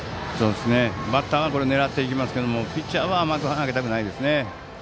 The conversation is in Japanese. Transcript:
バッターは狙っていきますがピッチャーは甘くいきたくないですね。